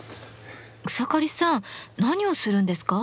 草刈さん何をするんですか？